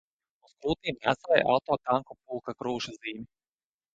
Uz krūtīm nēsāja Autotanku pulka krūšu zīmi.